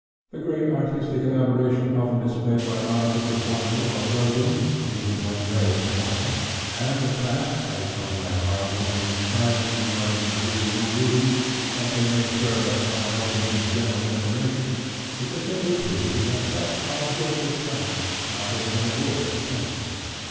The great artistic elaboration often displayed by articles of ornament or clothing, even when very small, and the fact as shown by Karl von den Steinen regarding the Brazilian uluri that they may serve as common motives in general decoration, sufficiently prove that such objects attract rather than avoid attention.